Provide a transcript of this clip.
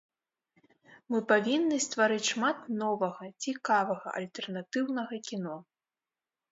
Мы павінны стварыць шмат новага, цікавага, альтэрнатыўнага кіно.